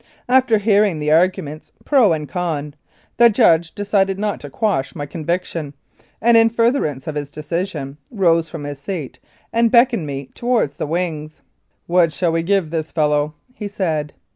After hearing the arguments pro and con, the judge decided not to quash my conviction, and in furtherance of his decision, rose from his seat and beckoned me towards the wings. "What shall we give this fellow ?" he said.